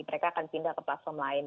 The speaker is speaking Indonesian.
mereka akan pindah ke platform lain